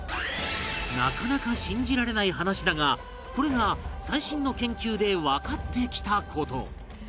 なかなか信じられない話だがこれが最新の研究でわかってきた事